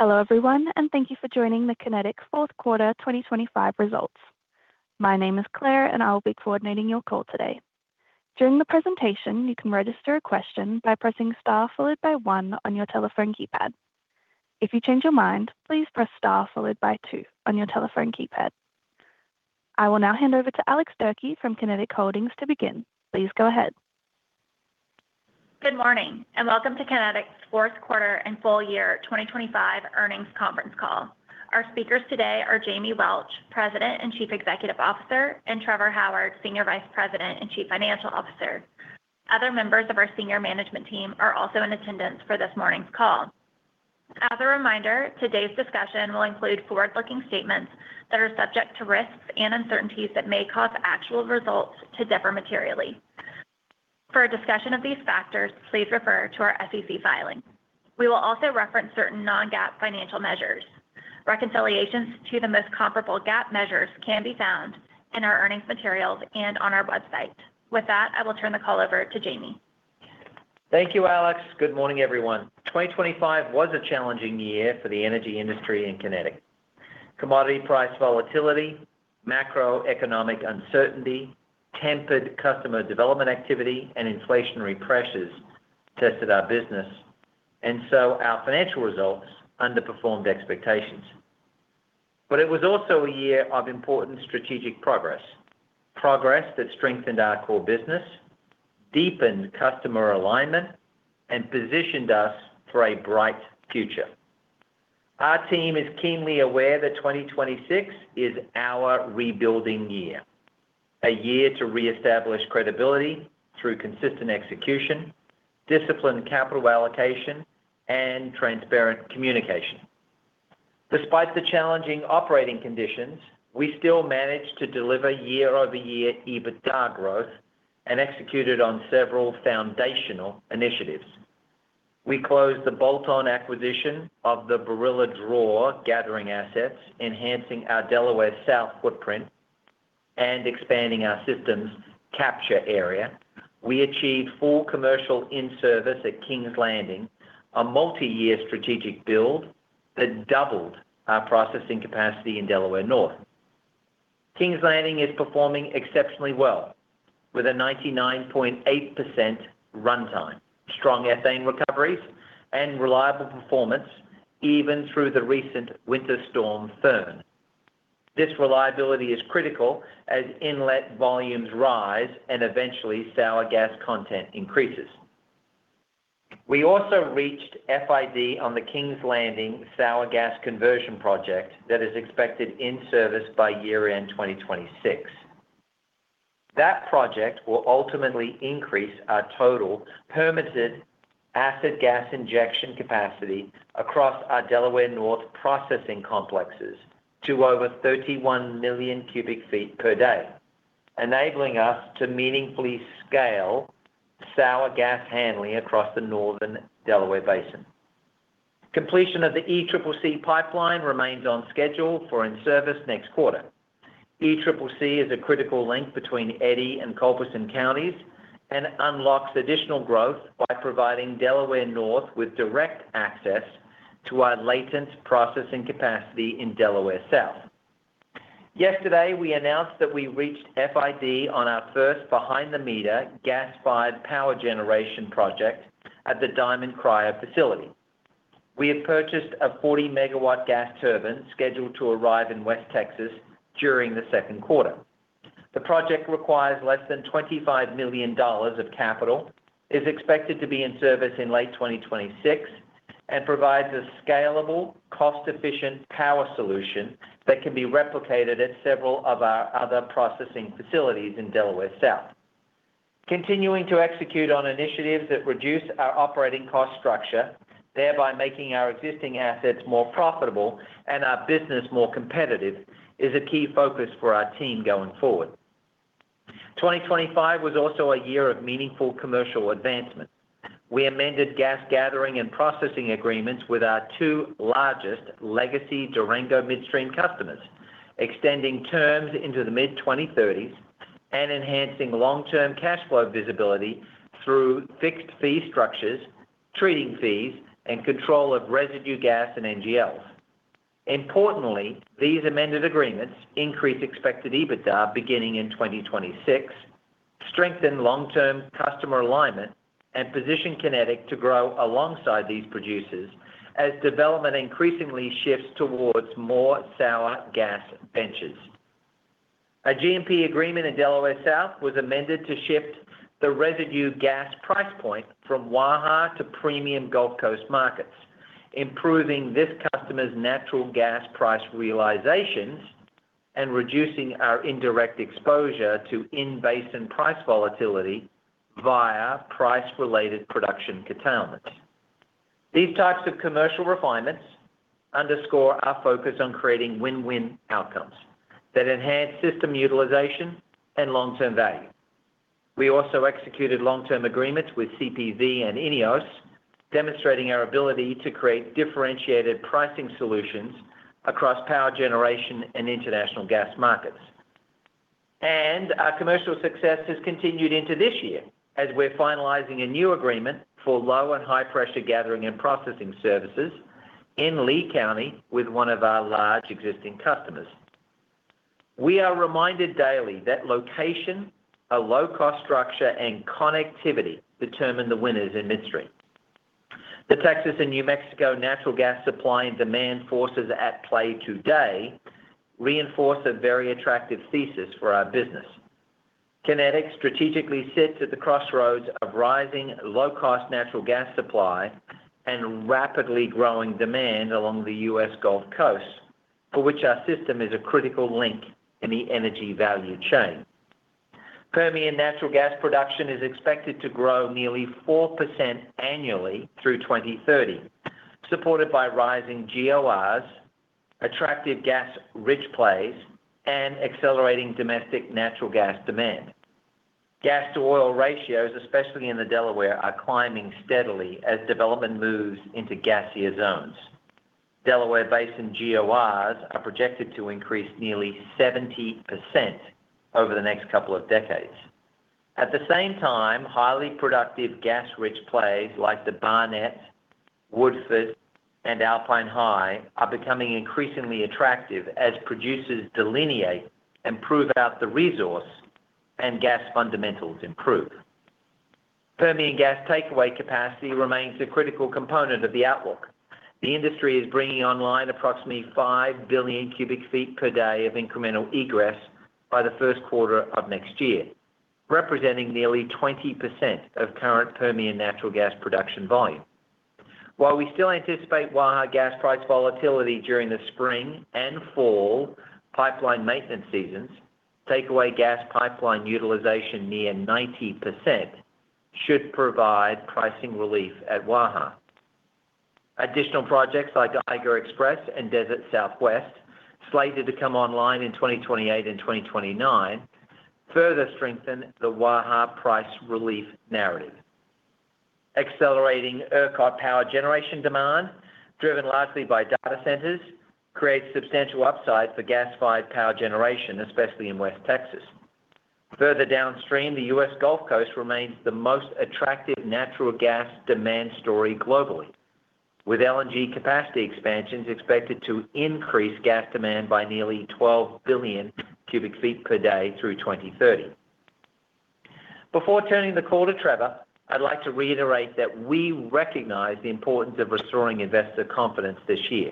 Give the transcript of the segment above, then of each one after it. Hello, everyone, thank you for joining the Kinetik fourth quarter 2025 results. My name is Claire, I will be coordinating your call today. During the presentation, you can register a question by pressing star followed by one on your telephone keypad. If you change your mind, please press star followed by two on your telephone keypad. I will now hand over to Alex Durkee from Kinetik Holdings to begin. Please go ahead. Good morning, and welcome to Kinetik's fourth quarter and full year 2025 earnings conference call. Our speakers today are Jamie Welch, President and Chief Executive Officer, and Trevor Howard, Senior Vice President and Chief Financial Officer. Other members of our senior management team are also in attendance for this morning's call. As a reminder, today's discussion will include forward-looking statements that are subject to risks and uncertainties that may cause actual results to differ materially. For a discussion of these factors, please refer to our SEC filing. We will also reference certain non-GAAP financial measures. Reconciliations to the most comparable GAAP measures can be found in our earnings materials and on our website. With that, I will turn the call over to Jamie. Thank you, Alex. Good morning, everyone. 2025 was a challenging year for the energy industry in Kinetik. Commodity price volatility, macroeconomic uncertainty, tempered customer development activity and inflationary pressures tested our business. Our financial results underperformed expectations. It was also a year of important strategic progress. Progress that strengthened our core business, deepened customer alignment, and positioned us for a bright future. Our team is keenly aware that 2026 is our rebuilding year, a year to reestablish credibility through consistent execution, disciplined capital allocation, and transparent communication. Despite the challenging operating conditions, we still managed to deliver year-over-year EBITDA growth and executed on several foundational initiatives. We closed the bolt-on acquisition of the Barilla Draw gathering assets, enhancing our Delaware South footprint and expanding our systems capture area. We achieved full commercial in-service at Kings Landing, a multi-year strategic build that doubled our processing capacity in Delaware North. Kings Landing is performing exceptionally well, with a 99.8% runtime, strong ethane recoveries and reliable performance even through the recent Winter Storm Finn. This reliability is critical as inlet volumes rise and eventually sour gas content increases. We also reached FID on the Kings Landing sour gas conversion project that is expected in-service by year-end 2026. That project will ultimately increase our total permitted acid gas injection capacity across our Delaware North processing complexes to over 31 million cubic feet per day, enabling us to meaningfully scale sour gas handling across the northern Delaware Basin. Completion of the ECCC pipeline remains on schedule for in-service next quarter. ECCC is a critical link between Eddy and Culberson counties and unlocks additional growth by providing Delaware North with direct access to our latent processing capacity in Delaware South. Yesterday, we announced that we reached FID on our first behind-the-meter gas-fired power generation project at the Diamond Cryo facility. We have purchased a 40 MW gas turbine scheduled to arrive in West Texas during the second quarter. The project requires less than $25 million of capital, is expected to be in service in late 2026, and provides a scalable, cost-efficient power solution that can be replicated at several of our other processing facilities in Delaware South. Continuing to execute on initiatives that reduce our operating cost structure, thereby making our existing assets more profitable and our business more competitive, is a key focus for our team going forward. 2025 was also a year of meaningful commercial advancement. We amended gas gathering and processing agreements with our two largest legacy Durango Midstream customers, extending terms into the mid-2030s and enhancing long-term cash flow visibility through fixed fee structures, treating fees, and control of residue gas and NGLs. Importantly, these amended agreements increase expected EBITDA beginning in 2026, strengthen long-term customer alignment, and position Kinetik to grow alongside these producers as development increasingly shifts towards more sour gas benches. A GMP agreement in Delaware South was amended to shift the residue gas price point from Waha to premium Gulf Coast markets, improving this customer's natural gas price realizations and reducing our indirect exposure to in-basin price volatility via price-related production curtailment. These types of commercial refinements underscore our focus on creating win-win outcomes that enhance system utilization and long-term value. We also executed long-term agreements with CPV and INEOS, demonstrating our ability to create differentiated pricing solutions across power generation and international gas markets. Our commercial success has continued into this year, as we're finalizing a new agreement for low and high-pressure gathering and processing services in Lea County with one of our large existing customers. We are reminded daily that location, a low-cost structure, and connectivity determine the winners in midstream. The Texas and New Mexico natural gas supply and demand forces at play today reinforce a very attractive thesis for our business. Kinetik strategically sits at the crossroads of rising low-cost natural gas supply and rapidly growing demand along the U.S. Gulf Coast, for which our system is a critical link in the energy value chain. Permian natural gas production is expected to grow nearly 4% annually through 2030, supported by rising GORs, attractive gas-rich plays, and accelerating domestic natural gas demand. Gas-to-oil ratios, especially in the Delaware, are climbing steadily as development moves into gaseous zones. Delaware Basin GORs are projected to increase nearly 70% over the next couple of decades. At the same time, highly productive gas-rich plays like the Barnett, Woodford, and Alpine High are becoming increasingly attractive as producers delineate and prove out the resource and gas fundamentals improve. Permian gas takeaway capacity remains a critical component of the outlook. The industry is bringing online approximately 5 billion cubic feet per day of incremental egress by the first quarter of next year, representing nearly 20% of current Permian natural gas production volume. While we still anticipate Waha gas price volatility during the spring and fall pipeline maintenance seasons, takeaway gas pipeline utilization near 90% should provide pricing relief at Waha. Additional projects like Eiger Express and Desert Southwest, slated to come online in 2028 and 2029, further strengthen the Waha price relief narrative. Accelerating ERCOT power generation demand, driven largely by data centers, creates substantial upside for gas-fired power generation, especially in West Texas. Further downstream, the U.S. Gulf Coast remains the most attractive natural gas demand story globally, with LNG capacity expansions expected to increase gas demand by nearly 12 billion cubic feet per day through 2030. Before turning the call to Trevor, I'd like to reiterate that we recognize the importance of restoring investor confidence this year.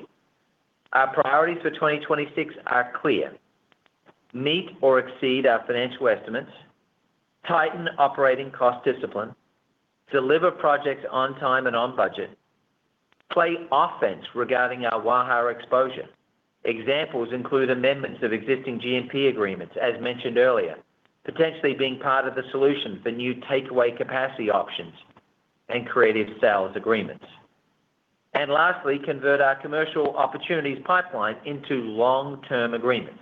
Our priorities for 2026 are clear: meet or exceed our financial estimates, tighten operating cost discipline, deliver projects on time and on budget, play offense regarding our Waha exposure. Examples include amendments of existing G&P agreements, as mentioned earlier, potentially being part of the solution for new takeaway capacity options and creative sales agreements. Lastly, convert our commercial opportunities pipeline into long-term agreements,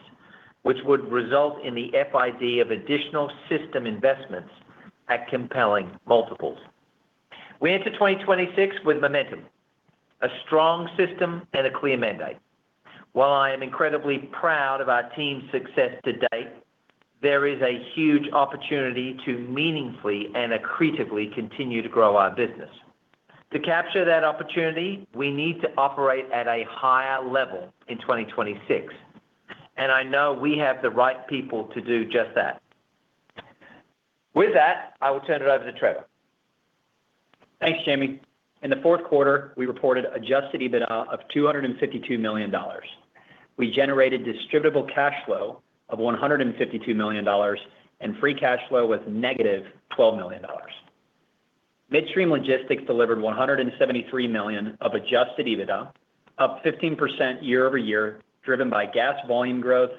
which would result in the FID of additional system investments at compelling multiples. We enter 2026 with momentum, a strong system, and a clear mandate. While I am incredibly proud of our team's success to date, there is a huge opportunity to meaningfully and accretively continue to grow our business. To capture that opportunity, we need to operate at a higher level in 2026, and I know we have the right people to do just that. With that, I will turn it over to Trevor. Thanks, Jamie. In the fourth quarter, we reported adjusted EBITDA of $252 million. We generated distributable cash flow of $152 million, and free cash flow was -$12 million. Midstream logistics delivered $173 million of adjusted EBITDA, up 15% year-over-year, driven by gas volume growth,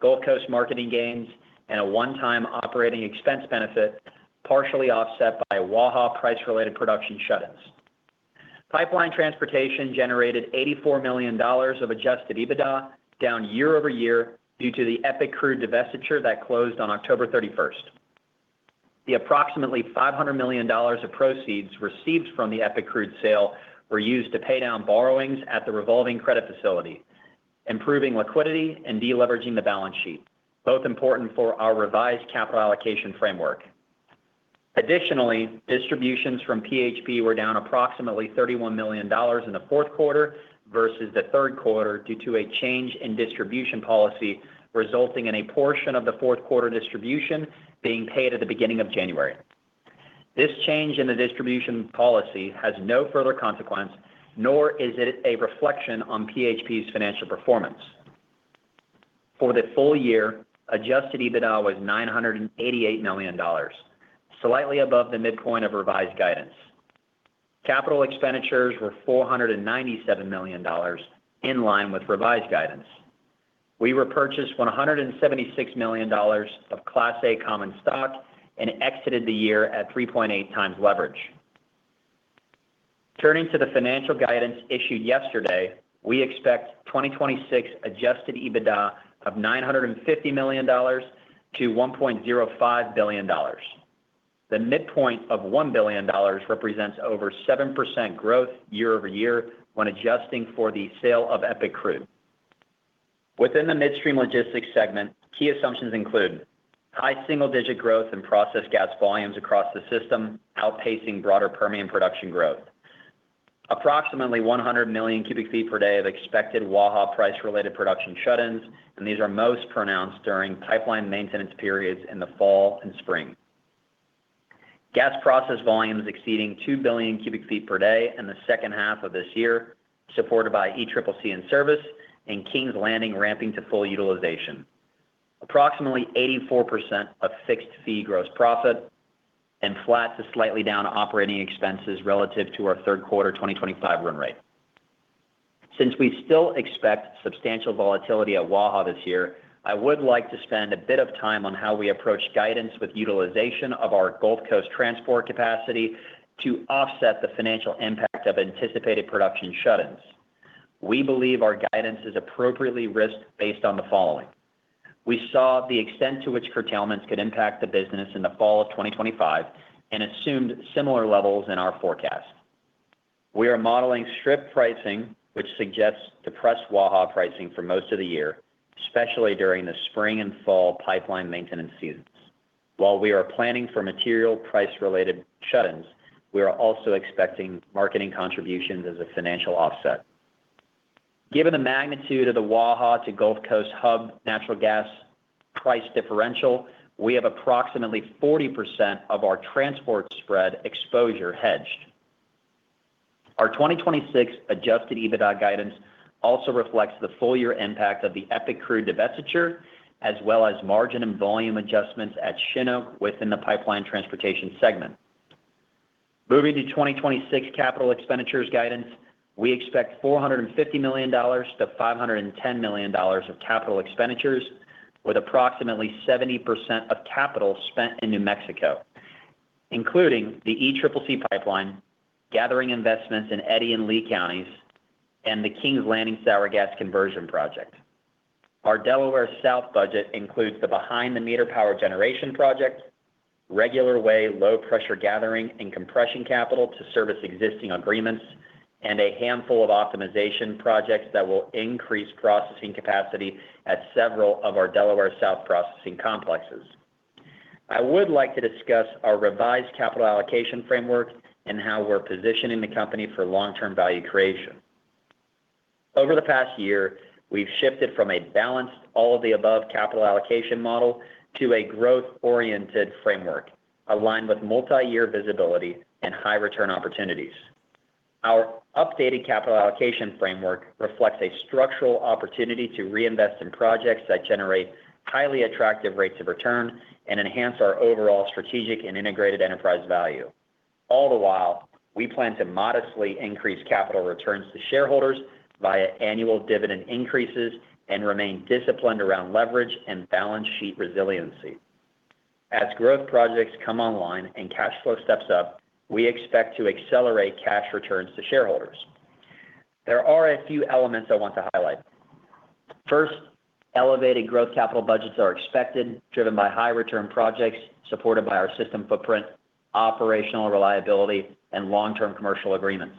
Gulf Coast marketing gains, and a one-time operating expense benefit, partially offset by Waha price-related production shut-ins. Pipeline transportation generated $84 million of adjusted EBITDA, down year-over-year due to the EPIC Crude divestiture that closed on October 31st. The approximately $500 million of proceeds received from the EPIC Crude sale were used to pay down borrowings at the revolving credit facility, improving liquidity and de-leveraging the balance sheet, both important for our revised capital allocation framework. Additionally, distributions from PHP were down approximately $31 million in the fourth quarter versus the third quarter due to a change in distribution policy, resulting in a portion of the fourth quarter distribution being paid at the beginning of January. This change in the distribution policy has no further consequence, nor is it a reflection on PHP's financial performance. For the full year, adjusted EBITDA was $988 million, slightly above the midpoint of revised guidance. Capital expenditures were $497 million, in line with revised guidance. We repurchased $176 million of Class A common stock and exited the year at 3.8 times leverage. Turning to the financial guidance issued yesterday, we expect 2026 adjusted EBITDA of $950 million to $1.05 billion. The midpoint of $1 billion represents over 7% growth year-over-year when adjusting for the sale of EPIC Crude. Within the midstream logistics segment, key assumptions include high single-digit growth in processed gas volumes across the system, outpacing broader Permian production growth. Approximately 100 million cubic feet per day of expected Waha price-related production shut-ins. These are most pronounced during pipeline maintenance periods in the fall and spring. Gas process volumes exceeding 2 billion cubic feet per day in the second half of this year, supported by ECCC in service and Kings Landing ramping to full utilization. Approximately 84% of fixed-fee gross profit and flat to slightly down operating expenses relative to our third quarter 2025 run rate. Since we still expect substantial volatility at Waha this year, I would like to spend a bit of time on how we approach guidance with utilization of our Gulf Coast transport capacity to offset the financial impact of anticipated production shut-ins. We believe our guidance is appropriately risked based on the following. We saw the extent to which curtailments could impact the business in the fall of 2025 and assumed similar levels in our forecast. We are modeling strip pricing, which suggests depressed Waha pricing for most of the year, especially during the spring and fall pipeline maintenance seasons. While we are planning for material price-related shut-ins, we are also expecting marketing contributions as a financial offset. Given the magnitude of the Waha to Gulf Coast Hub natural gas price differential, we have approximately 40% of our transport spread exposure hedged. Our 2026 adjusted EBITDA guidance also reflects the full year impact of the EPIC Crude divestiture, as well as margin and volume adjustments at Chinook within the pipeline transportation segment. Moving to 2026 capital expenditures guidance, we expect $450 million-$510 million of capital expenditures, with approximately 70% of capital spent in New Mexico, including the ECCC pipeline, gathering investments in Eddy and Lea counties, and the Kings Landing sour gas conversion project. Our Delaware South budget includes the behind-the-meter power generation project, regular way low pressure gathering and compression capital to service existing agreements, and a handful of optimization projects that will increase processing capacity at several of our Delaware South processing complexes. I would like to discuss our revised capital allocation framework and how we're positioning the company for long-term value creation. Over the past year, we've shifted from a balanced all-of-the-above capital allocation model to a growth-oriented framework, aligned with multi-year visibility and high return opportunities. Our updated capital allocation framework reflects a structural opportunity to reinvest in projects that generate highly attractive rates of return and enhance our overall strategic and integrated enterprise value. All the while, we plan to modestly increase capital returns to shareholders via annual dividend increases and remain disciplined around leverage and balance sheet resiliency. As growth projects come online and cash flow steps up, we expect to accelerate cash returns to shareholders. There are a few elements I want to highlight. First, elevated growth capital budgets are expected, driven by high return projects supported by our system footprint, operational reliability, and long-term commercial agreements.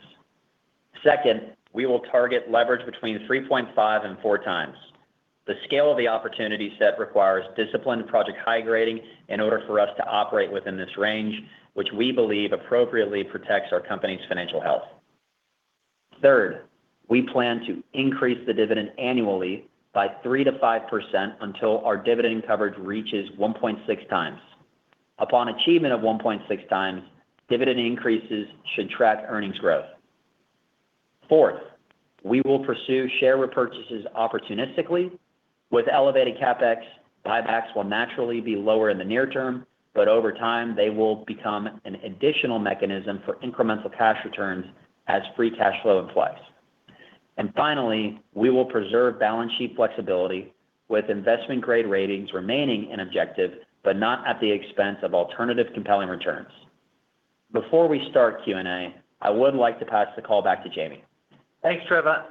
Second, we will target leverage between 3.5 and four times. The scale of the opportunity set requires disciplined project high grading in order for us to operate within this range, which we believe appropriately protects our company's financial health. We plan to increase the dividend annually by 3%-5% until our dividend coverage reaches 1.6 times. Upon achievement of 1.6 times, dividend increases should track earnings growth. We will pursue share repurchases opportunistically. With elevated CapEx, buybacks will naturally be lower in the near term, but over time, they will become an additional mechanism for incremental cash returns as free cash flow applies. We will preserve balance sheet flexibility with investment-grade ratings remaining an objective, but not at the expense of alternative compelling returns. Before we start Q&A, I would like to pass the call back to Jamie. Thanks, Trevor.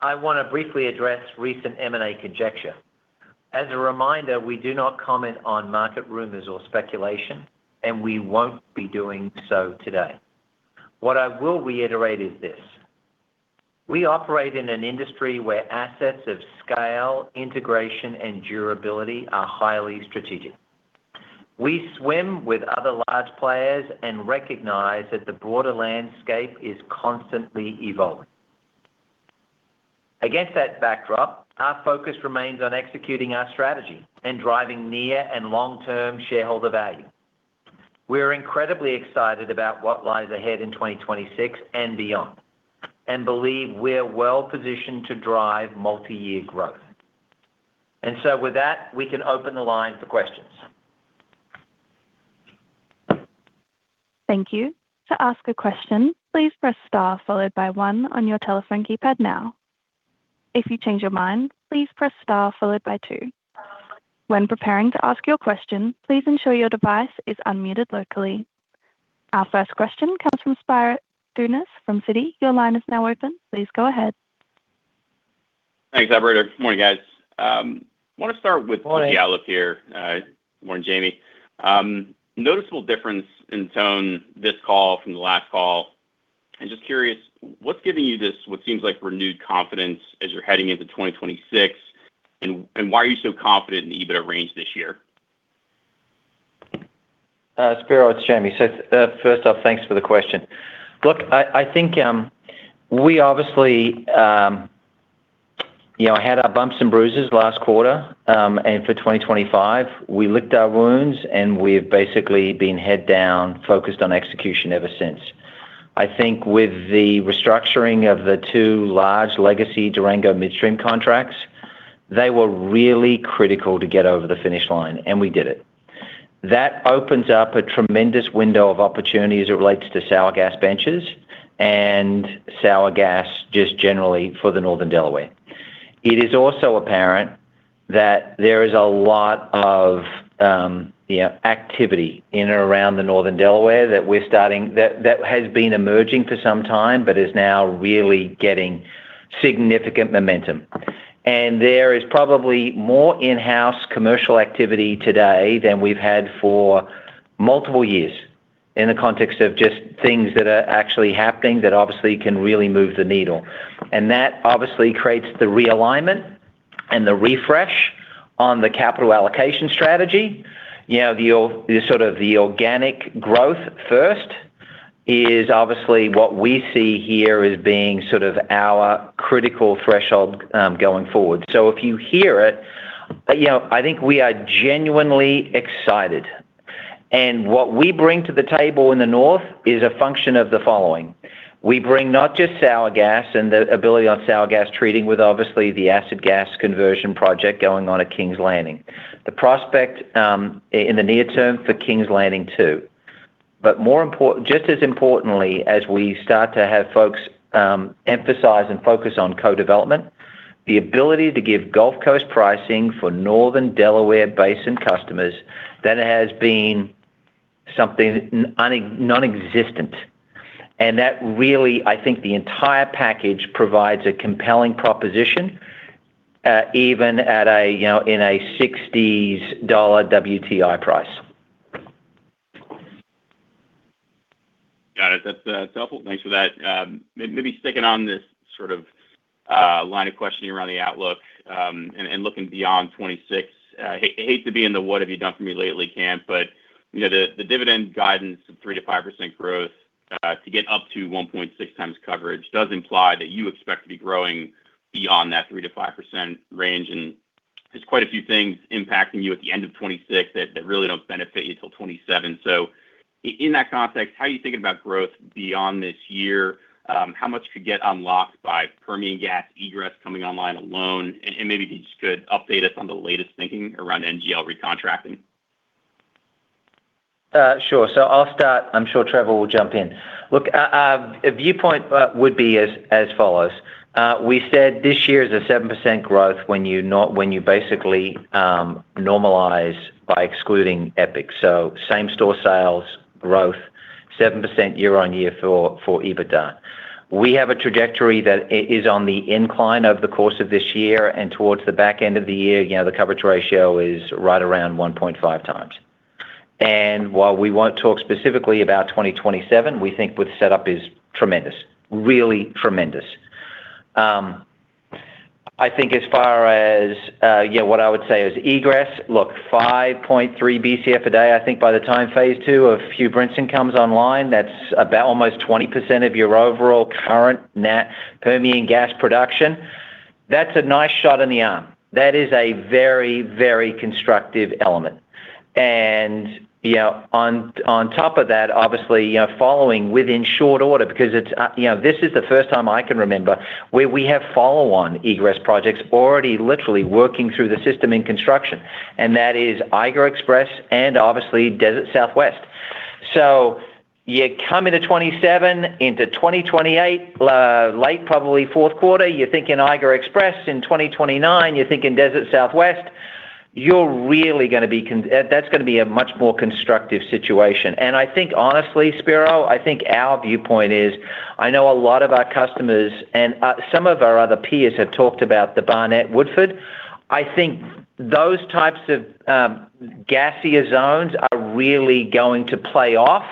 I want to briefly address recent M&A conjecture. As a reminder, we do not comment on market rumors or speculation, and we won't be doing so today. What I will reiterate is this: we operate in an industry where assets of scale, integration, and durability are highly strategic. We swim with other large players and recognize that the broader landscape is constantly evolving. Against that backdrop, our focus remains on executing our strategy and driving near and long-term shareholder value. We are incredibly excited about what lies ahead in 2026 and beyond, and believe we're well positioned to drive multi-year growth. With that, we can open the line for questions. Thank you. To ask a question, please press star followed by one on your telephone keypad now. If you change your mind, please press star followed by two. When preparing to ask your question, please ensure your device is unmuted locally. Our first question comes from Spiro Dounis from Citi. Your line is now open. Please go ahead. Thanks, operator. Good morning, guys. I want to start with the outlook here. Good morning, Jamie. Noticeable difference in tone this call from the last call. I'm just curious, what's giving you this, what seems like renewed confidence as you're heading into 2026, and why are you so confident in the EBITDA range this year? Spiro, it's Jamie. First off, thanks for the question. Look, I think, we obviously, you know, had our bumps and bruises last quarter, for 2025, we licked our wounds, we've basically been head down, focused on execution ever since. I think with the restructuring of the two large legacy Durango Midstream contracts, they were really critical to get over the finish line, we did it. That opens up a tremendous window of opportunity as it relates to sour gas benches and sour gas just generally for the Northern Delaware. It is also apparent that there is a lot of, yeah, activity in around the Northern Delaware that has been emerging for some time, but is now really getting significant momentum. There is probably more in-house commercial activity today than we've had for multiple years in the context of just things that are actually happening that obviously can really move the needle. That obviously creates the realignment and the refresh on the capital allocation strategy. You know, the sort of the organic growth first is obviously what we see here as being sort of our critical threshold going forward. If you hear it, you know, I think we are genuinely excited, and what we bring to the table in the north is a function of the following: we bring not just sour gas and the ability of sour gas treating with obviously the acid gas conversion project going on at Kings Landing. The prospect in the near term for Kings Landing 2. Just as importantly, as we start to have folks emphasize and focus on co-development, the ability to give Gulf Coast pricing for Northern Delaware Basin customers, that has been something nonexistent. That really, I think the entire package provides a compelling proposition, even at a, you know, in a 60s dollar WTI price. Got it. That's helpful. Thanks for that. Maybe sticking on this sort of line of questioning around the outlook and looking beyond 2026. I hate to be in the what have you done for me lately camp, but you know, the dividend guidance of 3%-5% growth to get up to 1.6x coverage does imply that you expect to be growing beyond that 3%-5% range, and there's quite a few things impacting you at the end of 2026 that really don't benefit you till 2027. In that context, how are you thinking about growth beyond this year? How much could get unlocked by Permian gas egress coming online alone? Maybe if you just could update us on the latest thinking around NGL recontracting. Sure. I'll start. I'm sure Trevor will jump in. Look, a viewpoint would be as follows: we said this year is a 7% growth when you basically normalize by excluding EPIC. Same-store sales growth, 7% year-on-year for EBITDA. We have a trajectory that is on the incline over the course of this year and towards the back end of the year, you know, the coverage ratio is right around 1.5 times. While we won't talk specifically about 2027, we think with set up is tremendous, really tremendous. I think as far as, yeah, what I would say is egress. Look, 5.3 Bcf a day, I think by the time phase 2 of Hugh Brinson comes online, that's about almost 20% of your overall current net Permian gas production. That's a nice shot in the arm. That is a very, very constructive element. you know, on top of that, obviously, you know, following within short order, because it's, you know, this is the first time I can remember where we have follow-on egress projects already literally working through the system in construction, and that is Eiger Express and obviously, Desert Southwest. you come into 2027, into 2028, late, probably fourth quarter, you're thinking Eiger Express. In 2029, you're thinking Desert Southwest, you're really gonna be that's gonna be a much more constructive situation. I think honestly, Spiro, I think our viewpoint is, I know a lot of our customers and some of our other peers have talked about the Barnett, Woodford. I think those types of gassier zones are really going to play off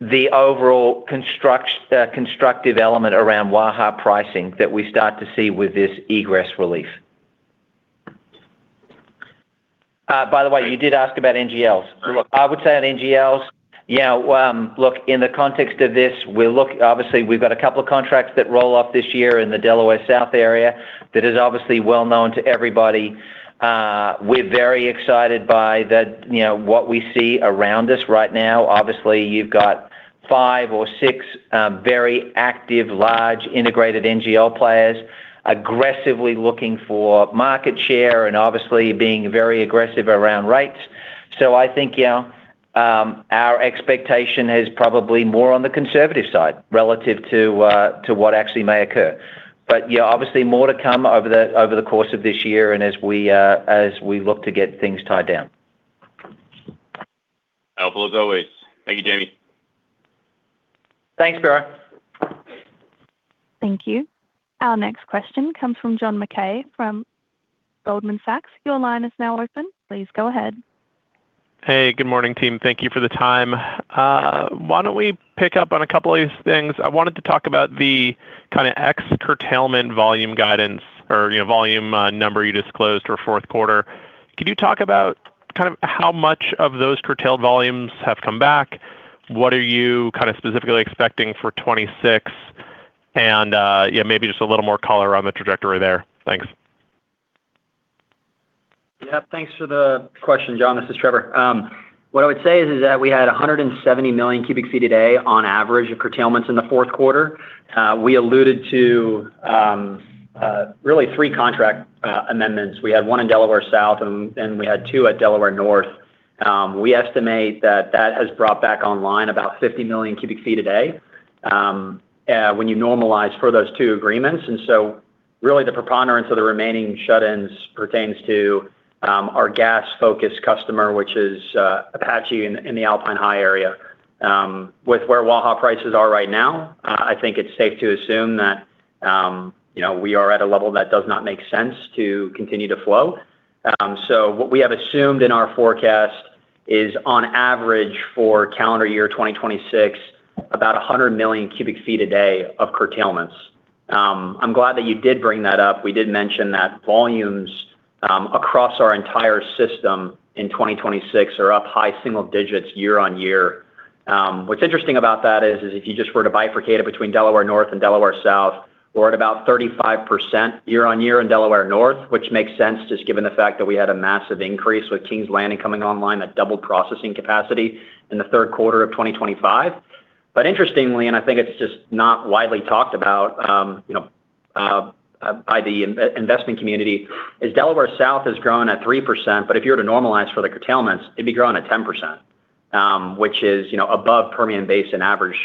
the overall construct, constructive element around Waha pricing that we start to see with this egress relief. By the way, you did ask about NGLs. Sure. Look, I would say on NGLs, yeah, look, in the context of this, we're obviously, we've got a couple of contracts that roll off this year in the Delaware South area that is obviously well known to everybody. We're very excited by the, you know, what we see around us right now. Obviously, you've got five or six, very active, large, integrated NGL players aggressively looking for market share and obviously being very aggressive around rates. I think, you know, our expectation is probably more on the conservative side relative to what actually may occur. Yeah, obviously more to come over the, over the course of this year and as we, as we look to get things tied down. Helpful as always. Thank you, Jamie. Thanks, Spiro. Thank you. Our next question comes from John Mackay from Goldman Sachs. Your line is now open. Please go ahead. Hey, good morning, team. Thank you for the time. Why don't we pick up on a couple of these things? I wanted to talk about the kind of ex curtailment volume guidance or, you know, volume number you disclosed for fourth quarter. Could you talk about kind of how much of those curtailed volumes have come back? What are you kind of specifically expecting for 2026? Yeah, maybe just a little more color on the trajectory there. Thanks. Yeah, thanks for the question, John. This is Trevor. What I would say is that we had 170 million cubic feet a day on average of curtailments in the fourth quarter. We alluded to really three contract amendments. We had one in Delaware South and we had two at Delaware North. We estimate that has brought back online about 50 million cubic feet a day when you normalize for those two agreements. Really the preponderance of the remaining shut-ins pertains to our gas-focused customer, which is Apache in the Alpine High area. With where Waha prices are right now, I think it's safe to assume that, you know, we are at a level that does not make sense to continue to flow. What we have assumed in our forecast is, on average for calendar year 2026, about 100 million cubic feet a day of curtailments. I'm glad that you did bring that up. We did mention that volumes across our entire system in 2026 are up high single digits year-on-year. What's interesting about that is if you just were to bifurcate it between Delaware North and Delaware South, we're at about 35% year-on-year in Delaware North, which makes sense, just given the fact that we had a massive increase with Kings Landing coming online, that doubled processing capacity in the third quarter of 2025. Interestingly, and I think it's just not widely talked about, you know, by the investing community, is Delaware South has grown at 3%, but if you were to normalize for the curtailments, it'd be growing at 10%, which is, you know, above Permian Basin average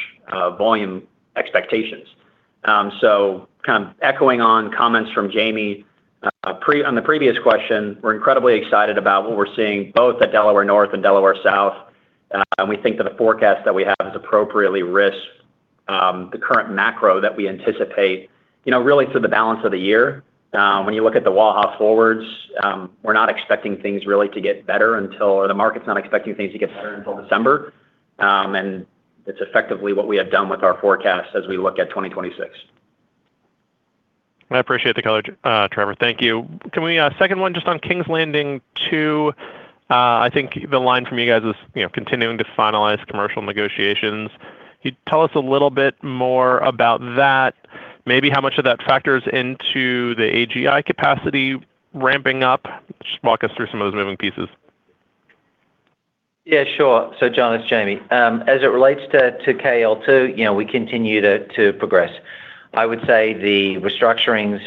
volume expectations. Kind of echoing on comments from Jamie on the previous question, we're incredibly excited about what we're seeing both at Delaware North and Delaware South. We think that the forecast that we have is appropriately risked, the current macro that we anticipate, you know, really through the balance of the year. When you look at the Waha forwards, we're not expecting things really to get better until or the market's not expecting things to get better until December. It's effectively what we have done with our forecast as we look at 2026. I appreciate the color, Trevor, thank you. Can we, second one, just on Kings Landing 2? I think the line from you guys is, you know, continuing to finalize commercial negotiations. Can you tell us a little bit more about that? Maybe how much of that factors into the AGI capacity ramping up? Just walk us through some of those moving pieces. Sure. John, it's Jamie. As it relates to KL2, you know, we continue to progress. I would say the restructurings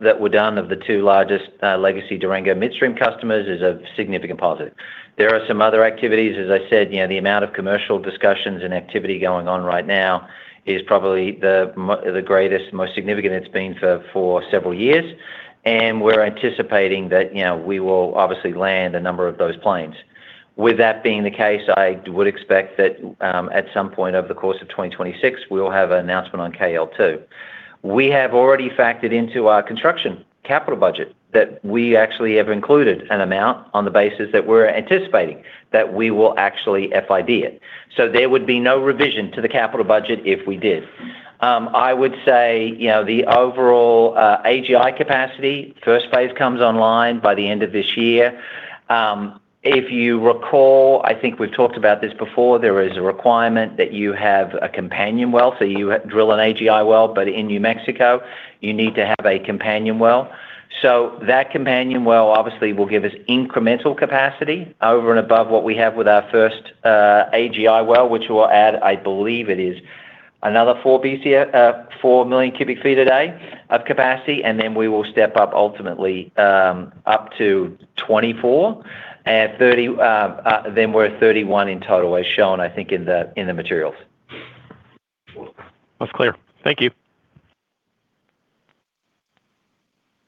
that were done of the two largest legacy Durango Midstream customers is a significant positive. There are some other activities, as I said, you know, the amount of commercial discussions and activity going on right now is probably the greatest, most significant it's been for several years, and we're anticipating that, you know, we will obviously land a number of those planes. With that being the case, I would expect that at some point over the course of 2026, we'll have an announcement on KL2. We have already factored into our construction capital budget that we actually have included an amount on the basis that we're anticipating that we will actually FID it. There would be no revision to the capital budget if we did. I would say, you know, the overall AGI capacity, first phase comes online by the end of this year. If you recall, I think we've talked about this before, there is a requirement that you have a companion well, so you drill an AGI well, but in New Mexico, you need to have a companion well. That companion well obviously will give us incremental capacity over and above what we have with our first AGI well, which will add, I believe it is, another 4 BCf, 4 million cubic feet a day of capacity, and then we will step up ultimately up to 24 and 30, then we're at 31 in total, as shown, I think, in the, in the materials. That's clear. Thank you.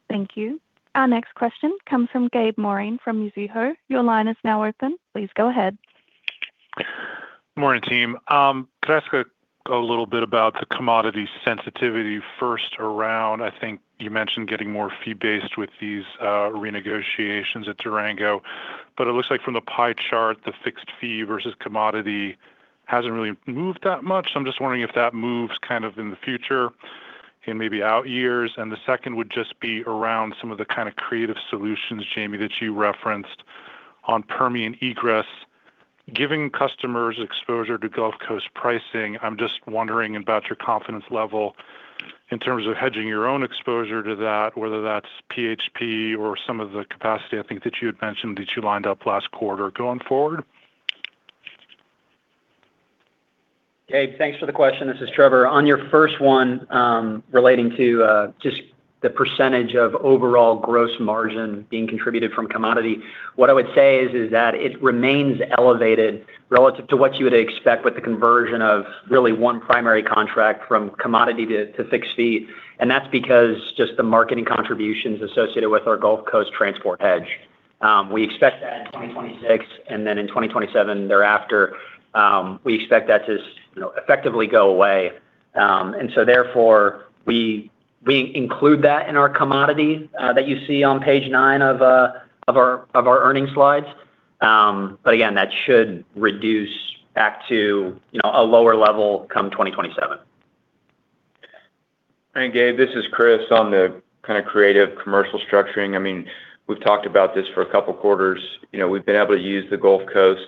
Thank you. Our next question comes from Gabe Moreen from Mizuho. Your line is now open. Please go ahead. Morning, team. Could I ask a little bit about the commodity sensitivity first around? I think you mentioned getting more fee-based with these renegotiations at Durango, but it looks like from the pie chart, the fixed fee versus commodity hasn't really moved that much. I'm just wondering if that moves kind of in the future in maybe out years. The second would just be around some of the kind of creative solutions, Jamie, that you referenced on Permian egress. Giving customers exposure to Gulf Coast pricing, I'm just wondering about your confidence level in terms of hedging your own exposure to that, whether that's PHP or some of the capacity I think that you had mentioned that you lined up last quarter going forward. Gabe, thanks for the question. This is Trevor. On your first one, relating to just the percentage of overall gross margin being contributed from commodity, what I would say is that it remains elevated relative to what you would expect with the conversion of really one primary contract from commodity to fixed fee. That's because just the marketing contributions associated with our Gulf Coast transport hedge. We expect that in 2026, and then in 2027 thereafter, we expect that to, you know, effectively go away. Therefore, we include that in our commodity that you see on page 9 of our earnings slides. Again, that should reduce back to, you know, a lower level come 2027. Gabe, this is Kris. On the kind of creative commercial structuring, I mean, we've talked about this for a couple of quarters. You know, we've been able to use the Gulf Coast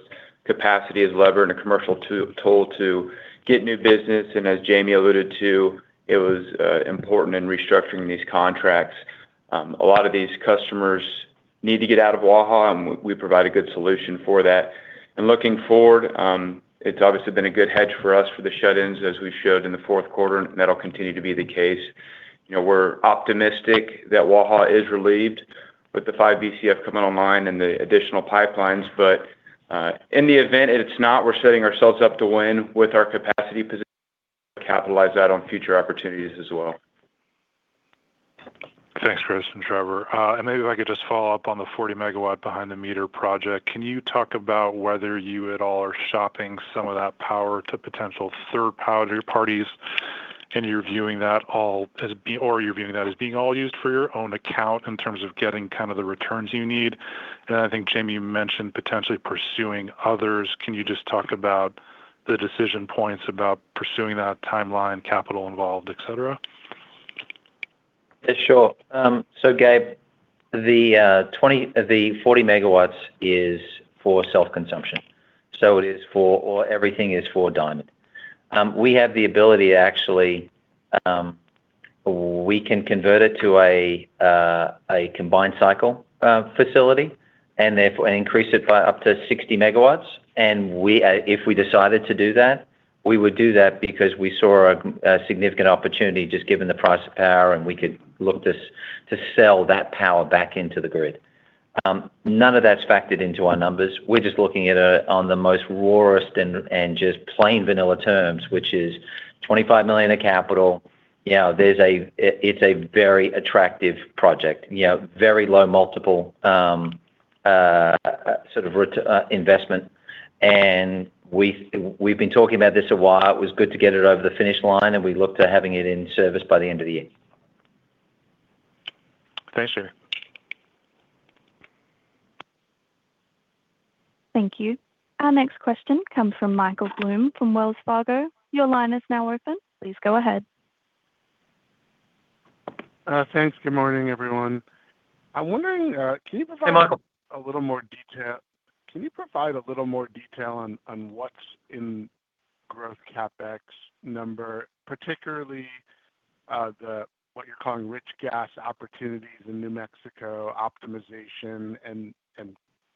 capacity as lever and a commercial tool to get new business, and as Jamie alluded to, it was important in restructuring these contracts. A lot of these customers need to get out of Waha, we provide a good solution for that. Looking forward, it's obviously been a good hedge for us for the shut-ins, as we showed in the fourth quarter, and that'll continue to be the case. You know, we're optimistic that Waha is relieved with the 5 Bcf coming online and the additional pipelines, but, in the event, it's not, we're setting ourselves up to win with our capacity position, capitalize that on future opportunities as well. Thanks, Kris and Trevor. Maybe if I could just follow up on the 40 MW behind-the-meter project. Can you talk about whether you at all are shopping some of that power to potential third parties, and you're viewing that as being all used for your own account in terms of getting kind of the returns you need? I think, Jamie, you mentioned potentially pursuing others. Can you just talk about the decision points about pursuing that timeline, capital involved, et cetera? Sure. Gabe, the 40 MWs is for self-consumption, so everything is for Diamond. We have the ability to actually, we can convert it to a combined cycle facility and therefore, and increase it by up to 60 MWs. We, if we decided to do that, we would do that because we saw a significant opportunity, just given the price of power, and we could look to sell that power back into the grid. None of that's factored into our numbers. We're just looking at on the most rawest and just plain vanilla terms, which is $25 million in capital. You know, there's a, it's a very attractive project, you know, very low multiple, sort of investment. We've been talking about this a while. It was good to get it over the finish line, and we look to having it in service by the end of the year. Thanks, sir. Thank you. Our next question comes from Michael Blum from Wells Fargo. Your line is now open. Please go ahead. Thanks. Good morning, everyone. I'm wondering, can you provide. Hey, Michael. Can you provide a little more detail on what's in growth CapEx number, particularly what you're calling rich gas opportunities in New Mexico, optimization and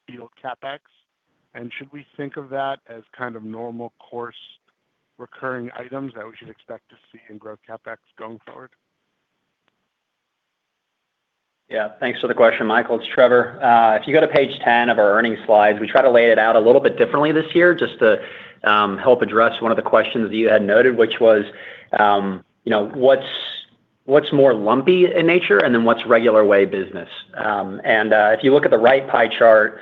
field CapEx? Should we think of that as kind of normal course recurring items that we should expect to see in growth CapEx going forward? Thanks for the question, Michael. It's Trevor. If you go to page 10 of our earnings slides, we try to lay it out a little bit differently this year, just to help address one of the questions that you had noted, which was, you know, what's more lumpy in nature and then what's regular way business? If you look at the right pie chart,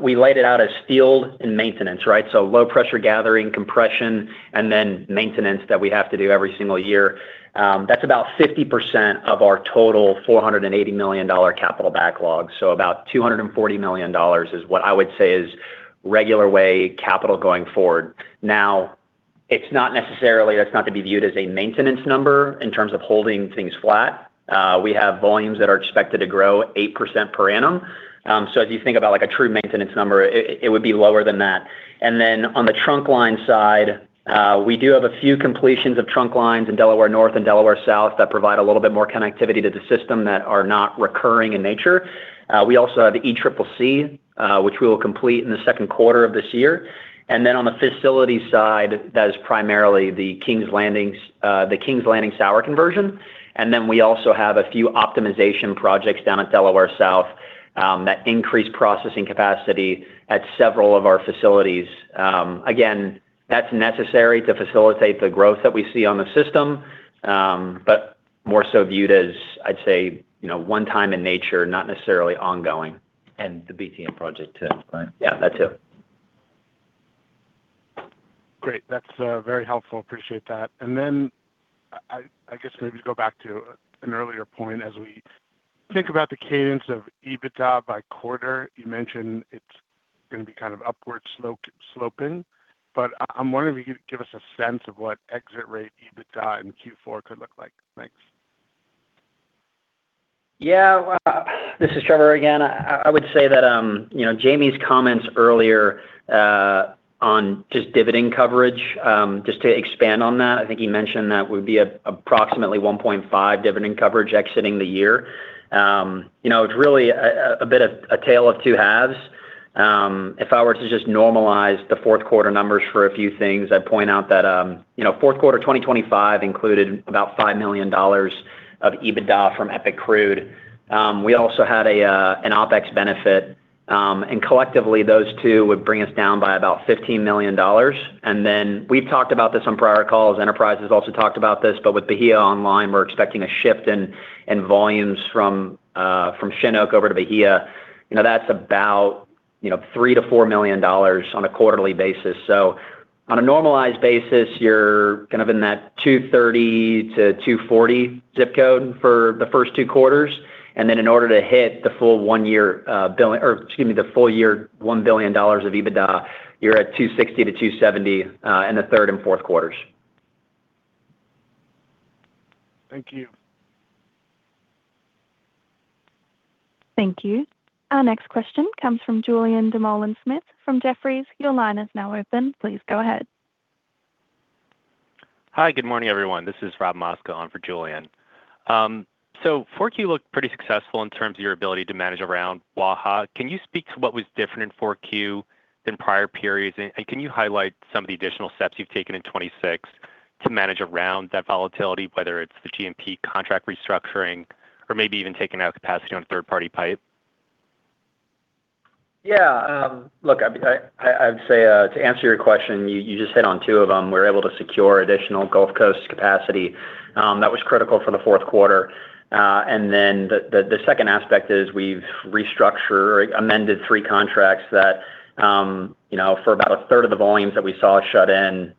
we laid it out as field and maintenance, right? Low pressure gathering, compression, and then maintenance that we have to do every single year. That's about 50% of our total $480 million capital backlog. About $240 million is what I would say is regular way capital going forward. It's not necessarily, it's not to be viewed as a maintenance number in terms of holding things flat. We have volumes that are expected to grow 8% per annum. As you think about, like, a true maintenance number, it would be lower than that. On the trunk line side, we do have a few completions of trunk lines in Delaware North and Delaware South that provide a little bit more connectivity to the system that are not recurring in nature. We also have the ECCC, which we will complete in the second quarter of this year. On the facility side, that is primarily the Kings Landing sour conversion. We also have a few optimization projects down at Delaware South that increase processing capacity at several of our facilities. Again, that's necessary to facilitate the growth that we see on the system, but more so viewed as, I'd say, you know, one time in nature, not necessarily ongoing. The BTM project, too, right? Yeah, that too. Great. That's very helpful. Appreciate that. Then I guess maybe to go back to an earlier point as we think about the cadence of EBITDA by quarter. You mentioned it's gonna be kind of upward sloping. I'm wondering if you could give us a sense of what exit rate EBITDA in Q4 could look like. Thanks. Yeah. This is Trevor again. I would say that, you know, Jamie's comments earlier, on just dividend coverage, just to expand on that, I think he mentioned that would be approximately 1.5 dividend coverage exiting the year. You know, it's really a bit of a tale of two halves. If I were to just normalize the fourth quarter numbers for a few things, I'd point out that, you know, fourth quarter 2025 included about $5 million of EBITDA from EPIC Crude. We also had an OpEx benefit, and collectively, those two would bring us down by about $15 million. We've talked about this on prior calls. Enterprise has also talked about this, but with Bahia online, we're expecting a shift in volumes from Chinook over to Bahia. You know, $3 million-$4 million on a quarterly basis. On a normalized basis, you're kind of in that $230 million-$240 million zip code for the first two quarters, in order to hit the full one year, billion, or excuse me, the full year, $1 billion of EBITDA, you're at $260 million-$270 million in the third and fourth quarters. Thank you. Thank you. Our next question comes from Julien Dumoulin-Smith from Jefferies. Your line is now open. Please go ahead. Hi. Good morning, everyone. This is Robert Mosca on for Julien. 4Q looked pretty successful in terms of your ability to manage around Waha. Can you speak to what was different in 4Q than prior periods? And can you highlight some of the additional steps you've taken in 2026 to manage around that volatility, whether it's the GMP contract restructuring or maybe even taking out capacity on third-party pipe? Yeah. Look, I'd say to answer your question, you just hit on two of them. We're able to secure additional Gulf Coast capacity that was critical for the fourth quarter. The second aspect is we've restructured or amended three contracts that, you know, for about a third of the volumes that we saw shut in,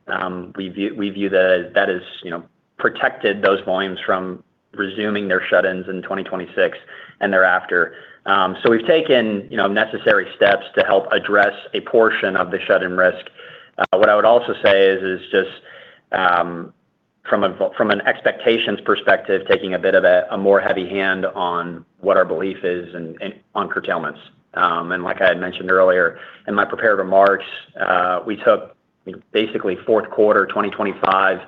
we view that as, you know, protected those volumes from resuming their shut-ins in 2026 and thereafter. We've taken, you know, necessary steps to help address a portion of the shut-in risk. What I would also say is just from an expectations perspective, taking a bit of a more heavy hand on what our belief is and on curtailments. Like I had mentioned earlier in my prepared remarks, we took basically fourth quarter 2025,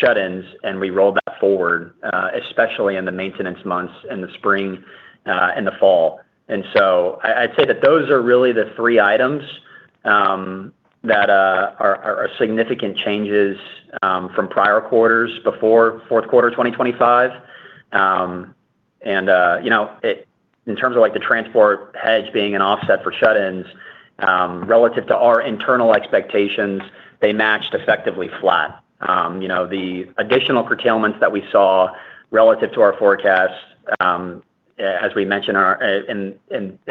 shut-ins, and we rolled that forward, especially in the maintenance months in the spring, and the fall. I'd say that those are really the three items, that are significant changes, from prior quarters before fourth quarter 2025. You know, in terms of, like, the transport hedge being an offset for shut-ins, relative to our internal expectations, they matched effectively flat. You know, the additional curtailments that we saw relative to our forecasts, as we mentioned, our, in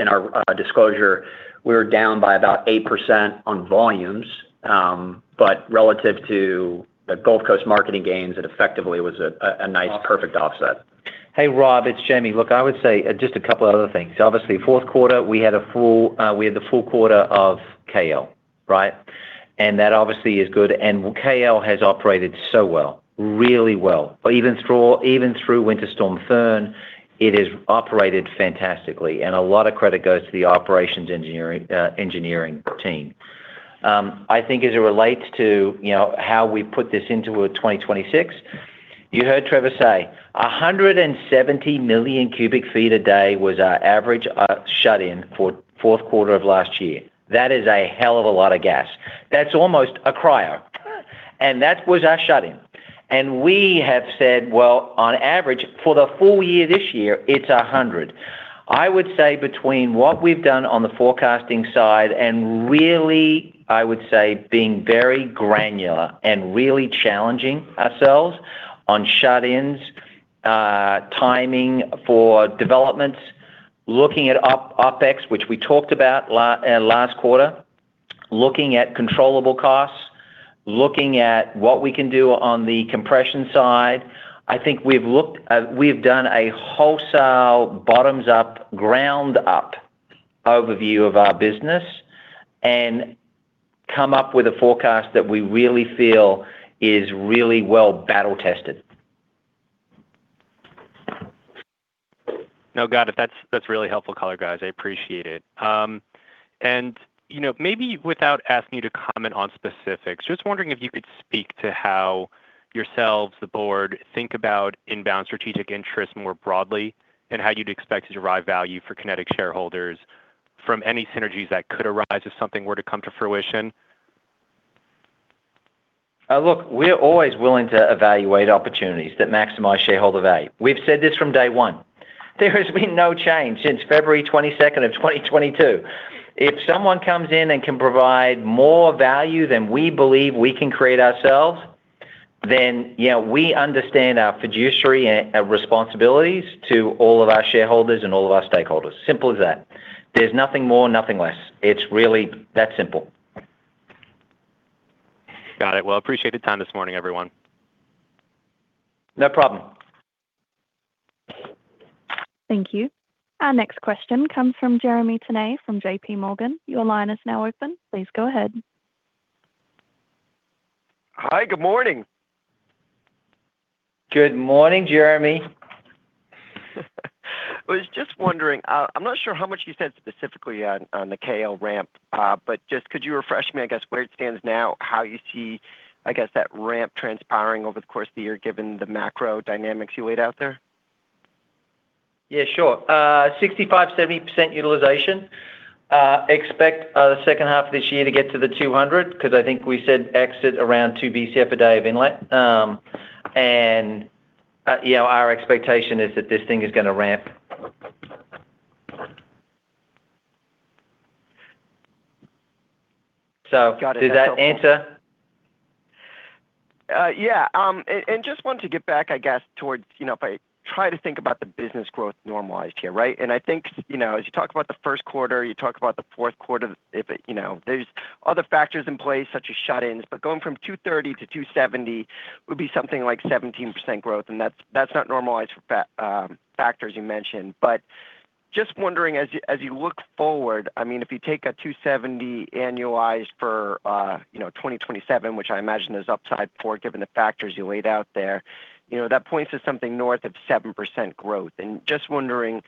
our disclosure, we're down by about 8% on volumes, but relative to the Gulf Coast marketing gains, it effectively was a nice, perfect offset. Hey, Rob, it's Jamie. Look, I would say just a couple of other things. Obviously, fourth quarter, we had a full, we had the full quarter of KL, right? That obviously is good. KL has operated so well, really well. Even through Winter Storm Fern, it has operated fantastically, and a lot of credit goes to the operations engineering team. I think as it relates to, you know, how we put this into a 2026, you heard Trevor say, 170 million cubic feet a day was our average shut-in for fourth quarter of last year. That is a hell of a lot of gas. That's almost a cryo, and that was our shut-in. We have said, well, on average, for the full year, this year, it's 100. I would say between what we've done on the forecasting side and really, I would say, being very granular and really challenging ourselves on shut-ins, timing for developments, looking at OpEx, which we talked about la, last quarter, looking at controllable costs, looking at what we can do on the compression side, I think we've done a wholesale, bottoms-up, ground-up overview of our business and come up with a forecast that we really feel is really well battle-tested. No, got it. That's really helpful color, guys. I appreciate it. You know, maybe without asking you to comment on specifics, just wondering if you could speak to how yourselves, the board, think about inbound strategic interest more broadly, and how you'd expect to derive value for Kinetik shareholders from any synergies that could arise if something were to come to fruition? Look, we're always willing to evaluate opportunities that maximize shareholder value. We've said this from day 1. There has been no change since February 22, 2022. If someone comes in and can provide more value than we believe we can create ourselves, then, you know, we understand our fiduciary and our responsibilities to all of our shareholders and all of our stakeholders. Simple as that. There's nothing more, nothing less. It's really that simple. Got it. Appreciate the time this morning, everyone. No problem. Thank you. Our next question comes from Jeremy Tonet from JPMorgan. Your line is now open. Please go ahead. Hi, good morning. Good morning, Jeremy. I was just wondering, I'm not sure how much you said specifically on the KL ramp, but just could you refresh me, I guess, where it stands now, how you see, I guess, that ramp transpiring over the course of the year, given the macro dynamics you laid out there? Yeah, sure. 65%, 70% utilization. Expect the second half of this year to get to the 200, 'cause I think we said exit around 2 Bcf a day of inlet. you know, our expectation is that this thing is gonna ramp. Got it. Did that answer? Yeah, and just want to get back, I guess, towards, you know, if I try to think about the business growth normalized here, right? I think, you know, as you talk about the first quarter, you talk about the fourth quarter, if it, you know, there's other factors in play, such as shut-ins, but going from 230 to 270 would be something like 17% growth, and that's not normalized for factors you mentioned. Just wondering, as you, as you look forward, I mean, if you take a 270 annualized for, you know, 2027, which I imagine is upside for given the factors you laid out there, you know, that points to something north of 7% growth. Just wondering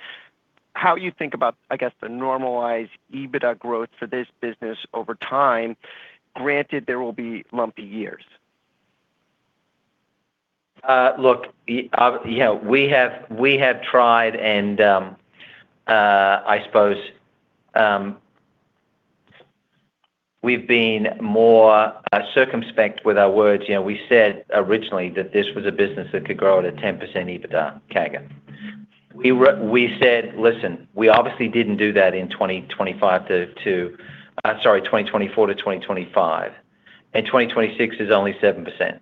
how you think about, I guess, the normalized EBITDA growth for this business over time, granted, there will be lumpy years. Look, yeah, you know, we have tried and I suppose we've been more circumspect with our words. You know, we said originally that this was a business that could grow at a 10% EBITDA CAGR. We said, "Listen, we obviously didn't do that in 2024 to 2025, and 2026 is only 7%."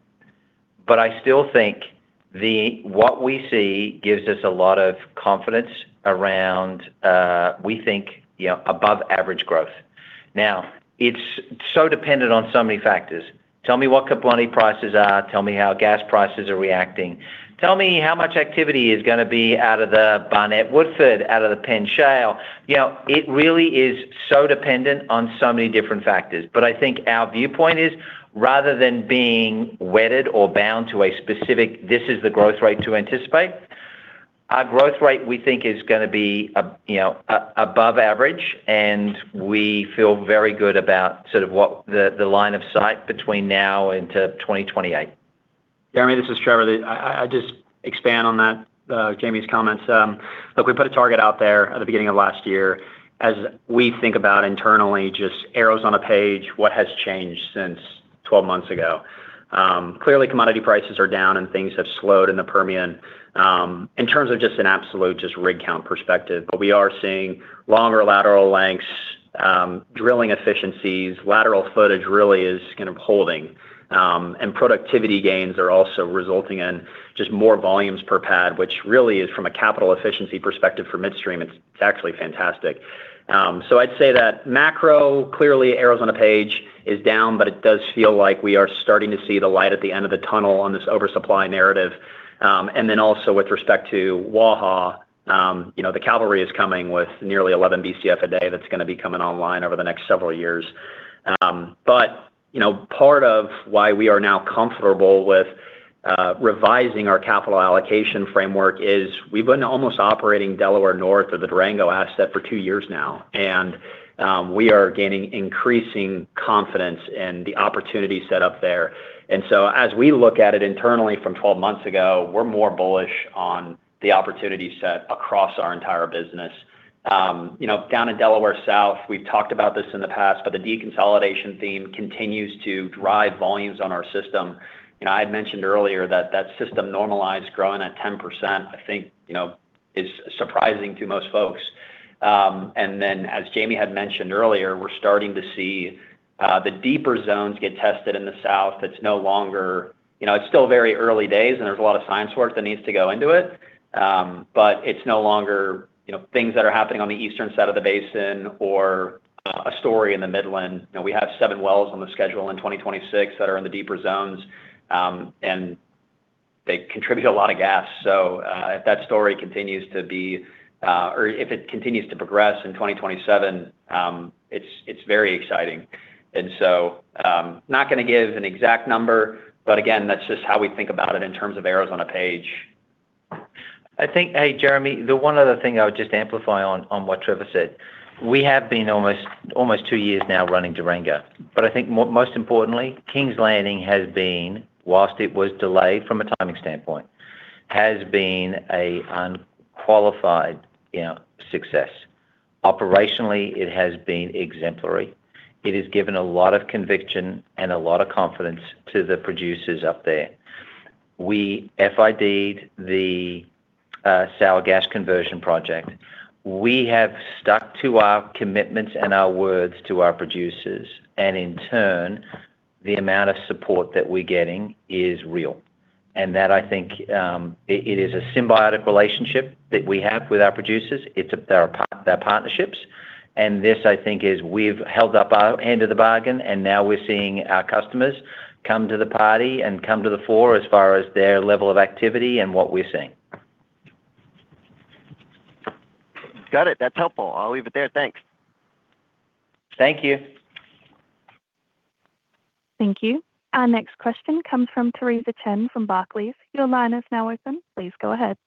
I still think what we see gives us a lot of confidence around, we think, yeah, above average growth. Now, it's so dependent on so many factors. Tell me what Kaplani prices are, tell me how gas prices are reacting, tell me how much activity is gonna be out of the Barnett Woodford, out of the Penn shales. You know, it really is so dependent on so many different factors. I think our viewpoint is, rather than being wedded or bound to a specific, "This is the growth rate to anticipate," our growth rate, we think, is gonna be, you know, above average, and we feel very good about sort of what the line of sight between now and to 2028. Jeremy, this is Trevor. I just expand on that, Jamie's comments. Look, we put a target out there at the beginning of last year. As we think about internally, just arrows on a page, what has changed since 12 months ago? Clearly, commodity prices are down and things have slowed in the Permian, in terms of just an absolute, just rig count perspective. But we are seeing longer lateral lengths, drilling efficiencies, lateral footage really is kind of holding. Productivity gains are also resulting in just more volumes per pad, which really is from a capital efficiency perspective for midstream, it's actually fantastic. I'd say that macro, clearly, arrows on a page is down, but it does feel like we are starting to see the light at the end of the tunnel on this oversupply narrative. Also with respect to WAHA, you know, the cavalry is coming with nearly 11 Bcf a day that's gonna be coming online over the next several years. You know, part of why we are now comfortable with revising our capital allocation framework is we've been almost operating Delaware North or the Durango asset for two years now, and we are gaining increasing confidence in the opportunity set up there. As we look at it internally from 12 months ago, we're more bullish on the opportunity set across our entire business. You know, down in Delaware South, we've talked about this in the past, the deconsolidation theme continues to drive volumes on our system. You know, I had mentioned earlier that that system normalized growing at 10%, I think, you know, is surprising to most folks. As Jamie had mentioned earlier, we're starting to see the deeper zones get tested in the south. You know, it's still very early days, and there's a lot of science work that needs to go into it, but it's no longer, you know, things that are happening on the eastern side of the basin or a story in the Midland. You know, we have seven wells on the schedule in 2026 that are in the deeper zones, and they contribute a lot of gas. If that story continues to be, or if it continues to progress in 2027, it's very exciting. Not gonna give an exact number, but again, that's just how we think about it in terms of arrows on a page. I think, hey, Jeremy, the one other thing I would just amplify on what Trevor said, we have been almost two years now running Durango. I think most importantly, Kings Landing has been, whilst it was delayed from a timing standpoint, has been an unqualified, you know, success. Operationally, it has been exemplary. It has given a lot of conviction and a lot of confidence to the producers up there. We FID the sour gas conversion project. We have stuck to our commitments and our words to our producers, and in turn, the amount of support that we're getting is real. That I think, it is a symbiotic relationship that we have with our producers. They are partnerships, and this, I think, is we've held up our end of the bargain, and now we're seeing our customers come to the party and come to the fore as far as their level of activity and what we're seeing. Got it. That's helpful. I'll leave it there. Thanks. Thank you. Thank you. Our next question comes from Theresa Chen, from Barclays. Your line is now open. Please go ahead.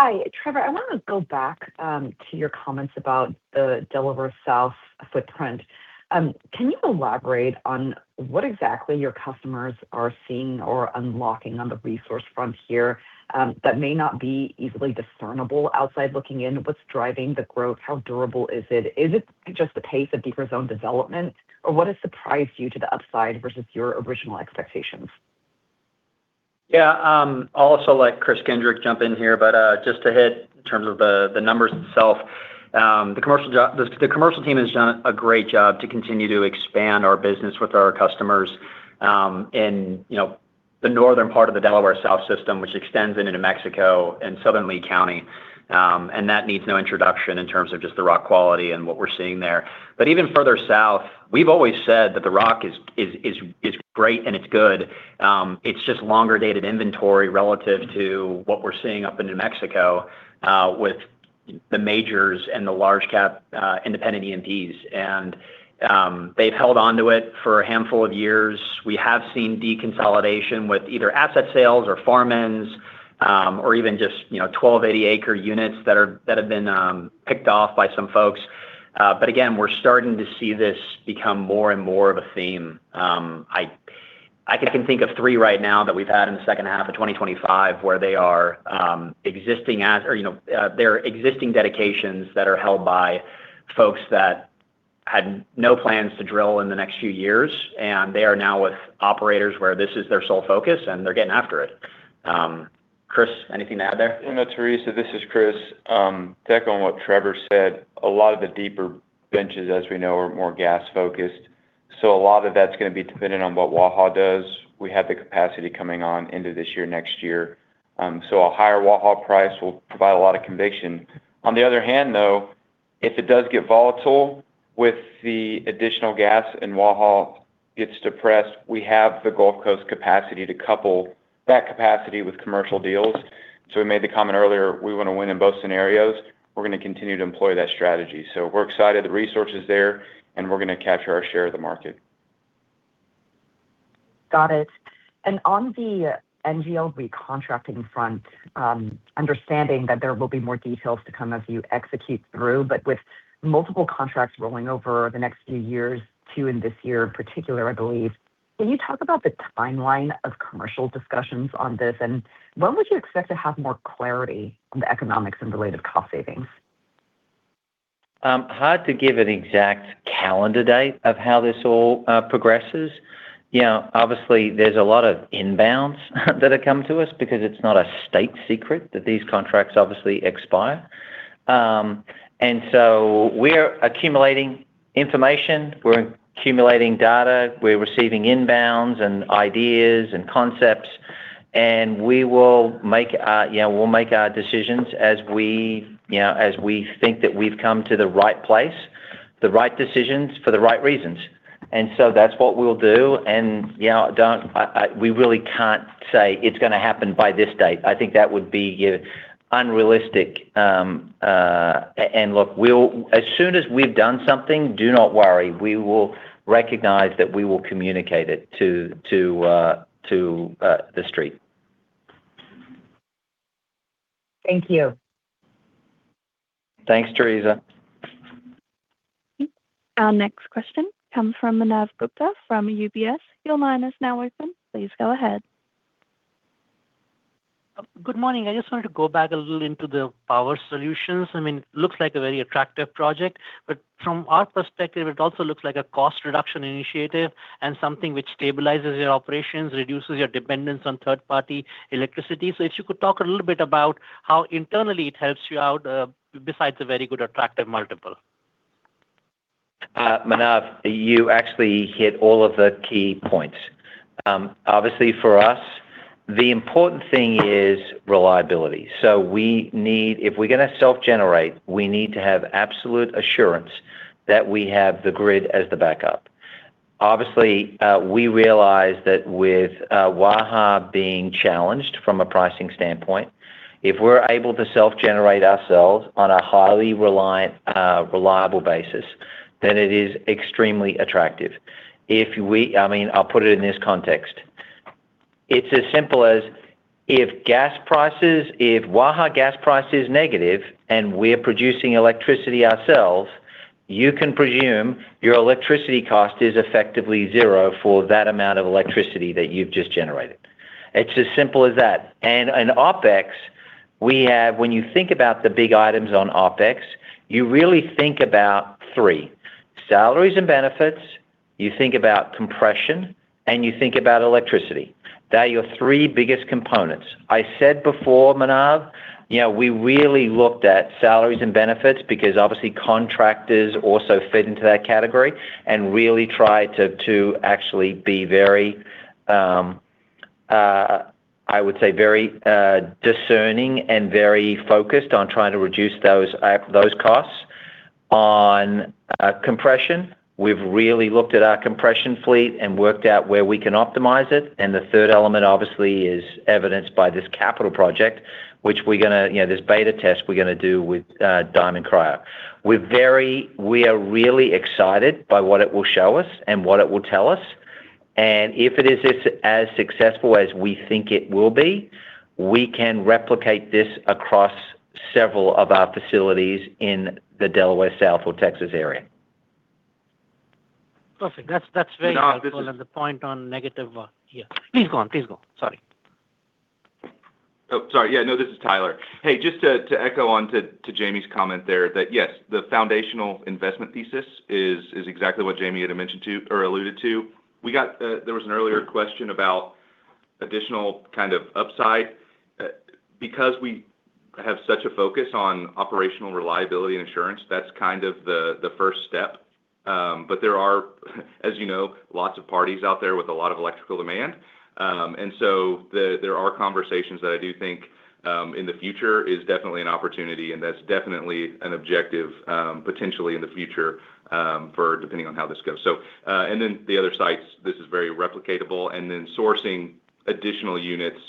Hi, Trevor. I want to go back to your comments about the Delaware South footprint. Can you elaborate on what exactly your customers are seeing or unlocking on the resource front here, that may not be easily discernible outside looking in? What's driving the growth? How durable is it? Is it just the pace of deeper zone development, or what has surprised you to the upside versus your original expectations? Yeah, I'll also let Kris Kindrick jump in here, but just to hit in terms of the numbers itself, the commercial team has done a great job to continue to expand our business with our customers, in, you know, the northern part of the Delaware South system, which extends into New Mexico and southern Lee County. That needs no introduction in terms of just the rock quality and what we're seeing there. Even further south, we've always said that the rock is great and it's good, it's just longer dated inventory relative to what we're seeing up in New Mexico with the majors and the large cap independent E&Ps. They've held onto it for a handful of years. We have seen deconsolidation with either asset sales or farm-ins, or even just, you know, 1,280 acre units that are, that have been, picked off by some folks. But again, we're starting to see this become more and more of a theme. I can think of three right now that we've had in the second half of 2025, where they are existing dedications that are held by folks that had no plans to drill in the next few years, and they are now with operators where this is their sole focus, and they're getting after it. Kris, anything to add there? You know, Theresa, this is Kris. To echo on what Trevor said, a lot of the deeper benches, as we know, are more gas focused, so a lot of that's gonna be dependent on what Waha does. We have the capacity coming on into this year, next year, so a higher Waha price will provide a lot of conviction. On the other hand, though, if it does get volatile with the additional gas and Waha gets depressed, we have the Gulf Coast capacity to couple that capacity with commercial deals. We made the comment earlier, we want to win in both scenarios. We're gonna continue to employ that strategy. We're excited the resource is there, and we're gonna capture our share of the market. Got it. On the NGL recontracting front, understanding that there will be more details to come as you execute through, but with multiple contracts rolling over the next few years, two in this year in particular, I believe, can you talk about the timeline of commercial discussions on this, and when would you expect to have more clarity on the economics and related cost savings? Hard to give an exact calendar date of how this all progresses. You know, obviously, there's a lot of inbounds that have come to us because it's not a state secret that these contracts obviously expire. We're accumulating information, we're accumulating data, we're receiving inbounds and ideas and concepts, and we will make our, you know, we'll make our decisions as we, you know, as we think that we've come to the right place, the right decisions for the right reasons. That's what we'll do. You know, I, we really can't say it's gonna happen by this date. I think that would be, you know, unrealistic. Look, as soon as we've done something, do not worry, we will recognize that we will communicate it to the street. Thank you. Thanks, Theresa. Our next question comes from Manav Gupta from UBS. Your line is now open. Please go ahead. Good morning. I just wanted to go back a little into the power solutions. I mean, it looks like a very attractive project, but from our perspective, it also looks like a cost reduction initiative and something which stabilizes your operations, reduces your dependence on third-party electricity. If you could talk a little bit about how internally it helps you out, besides a very good, attractive multiple. Manav, you actually hit all of the key points. Obviously, for us, the important thing is reliability. We need if we're gonna self-generate, we need to have absolute assurance that we have the grid as the backup. Obviously, we realize that with Waha being challenged from a pricing standpoint, if we're able to self-generate ourselves on a highly reliant, reliable basis, then it is extremely attractive. If we I mean, I'll put it in this context: It's as simple as if gas prices, if Waha gas price is negative and we're producing electricity ourselves, you can presume your electricity cost is effectively zero for that amount of electricity that you've just generated. It's as simple as that. In OpEx, when you think about the big items on OpEx, you really think about three: salaries and benefits, you think about compression, and you think about electricity. They are your three biggest components. I said before, Manav, you know, we really looked at salaries and benefits because obviously contractors also fit into that category and really tried to actually be very, I would say, very discerning and very focused on trying to reduce those costs. On compression, we've really looked at our compression fleet and worked out where we can optimize it, and the third element obviously is evidenced by this capital project, which we're gonna, you know, this beta test we're gonna do with Diamond Cryo. We are really excited by what it will show us and what it will tell us, and if it is as successful as we think it will be, we can replicate this across several of our facilities in the Delaware South or Texas area. Perfect. That's very helpful. The point on negative, yeah. Please go on. Sorry. Oh, sorry. Yeah, no, this is Tyler. Hey, just to echo on to Jamie's comment there, that yes, the foundational investment thesis is exactly what Jamie had mentioned to or alluded to. We got, there was an earlier question about additional kind of upside. Because we have such a focus on operational reliability and insurance, that's kind of the first step. There are, as you know, lots of parties out there with a lot of electrical demand. There are conversations that I do think, in the future is definitely an opportunity, and that's definitely an objective, potentially in the future, for depending on how this goes. The other sites, this is very replicatable. Sourcing additional units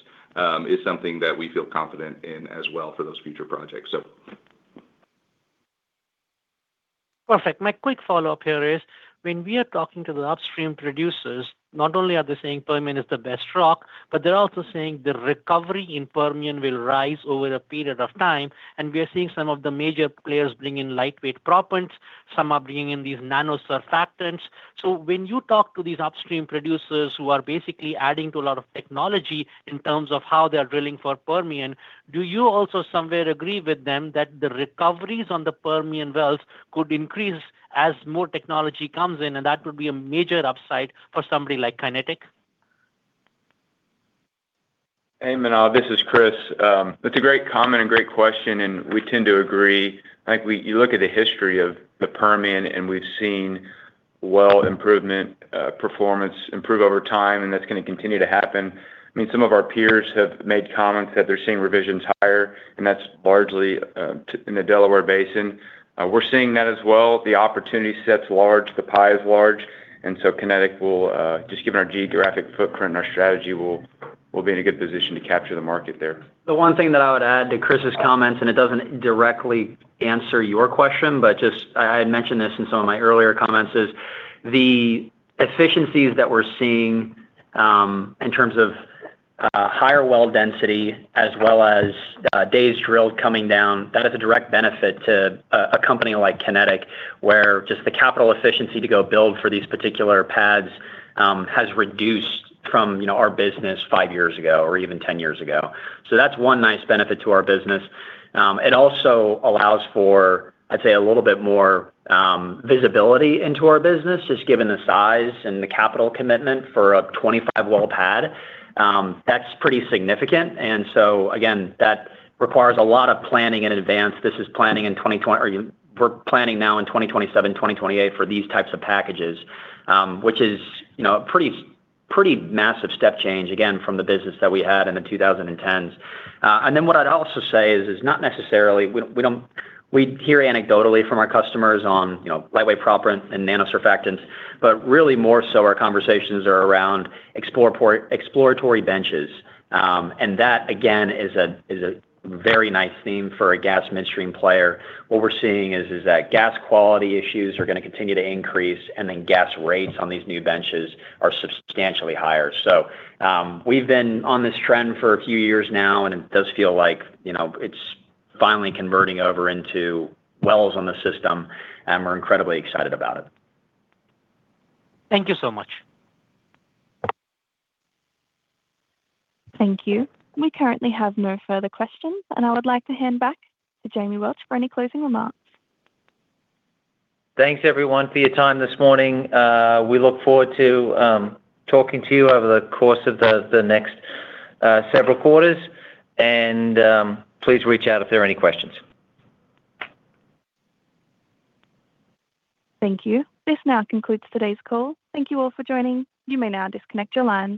is something that we feel confident in as well for those future projects, so. Perfect. My quick follow-up here is, when we are talking to the upstream producers, not only are they saying Permian is the best rock, but they're also saying the recovery in Permian will rise over a period of time, and we are seeing some of the major players bring in lightweight proppants. Some are bringing in these nano surfactants. When you talk to these upstream producers who are basically adding to a lot of technology in terms of how they are drilling for Permian, do you also somewhere agree with them that the recoveries on the Permian wells could increase as more technology comes in, and that would be a major upside for somebody like Kinetik? Hey, Manav, this is Kris. That's a great comment and great question. We tend to agree. I think you look at the history of the Permian, and we've seen well improvement, performance improve over time, and that's gonna continue to happen. I mean, some of our peers have made comments that they're seeing revisions higher. That's largely in the Delaware Basin. We're seeing that as well. The opportunity set's large, the pie is large. Kinetik will, just given our geographic footprint and our strategy, we'll be in a good position to capture the market there. The one thing that I would add to Kris's comments, it doesn't directly answer your question, but I had mentioned this in some of my earlier comments, is the efficiencies that we're seeing, in terms of higher well density as well as days drilled coming down, that is a direct benefit to a company like Kinetik, where just the capital efficiency to go build for these particular pads has reduced from, you know, our business five years ago or even 10 years ago. That's one nice benefit to our business. It also allows for, I'd say, a little bit more visibility into our business, just given the size and the capital commitment for a 25 well pad. That's pretty significant. Again, that requires a lot of planning in advance. This is planning or we're planning now in 2027, 2028 for these types of packages, which is, you know, a pretty massive step change again, from the business that we had in the 2010s. What I'd also say is not necessarily. We hear anecdotally from our customers on, you know, lightweight proppant and nano surfactants, but really more so our conversations are around exploratory benches. That, again, is a very nice theme for a gas midstream player. What we're seeing is that gas quality issues are gonna continue to increase, and then gas rates on these new benches are substantially higher. We've been on this trend for a few years now, and it does feel like, you know, it's finally converting over into wells on the system, and we're incredibly excited about it. Thank you so much. Thank you. We currently have no further questions, and I would like to hand back to Jamie Welch for any closing remarks. Thanks, everyone, for your time this morning. We look forward to talking to you over the course of the next several quarters. Please reach out if there are any questions. Thank you. This now concludes today's call. Thank you all for joining. You may now disconnect your lines.